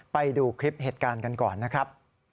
ไปดูคลิปเหตุการณ์กันก่อนนะครับ